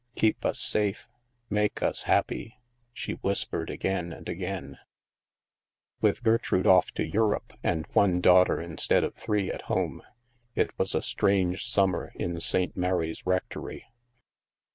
Keep us safe; make us happy," she whispered again and again. 104 THE MASK With Gertrude off to Europe and one daughter instead of three at home, it was a strange summer in St. Mary's Rectory.